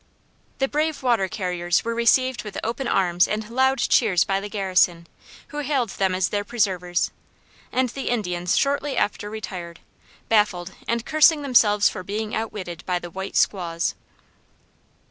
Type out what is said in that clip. The brave water carriers were received with open arms and loud cheers by the garrison, who hailed them as their preservers, and the Indians shortly after retired, baffled and cursing themselves for being outwitted by the "white squaws."